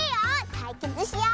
たいけつしよう！